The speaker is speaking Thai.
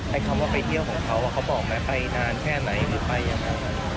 คำว่าไปเที่ยวของเขาเขาบอกไหมไปนานแค่ไหนหรือไปยังไง